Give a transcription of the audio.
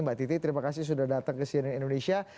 mbak titi terima kasih sudah datang ke cnn indonesia